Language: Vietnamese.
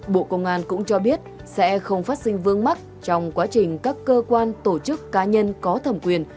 bộ công an cũng cho biết sẽ không phát sinh vương mắc trong quá trình các cơ quan tổ chức cá nhân có thẩm quyền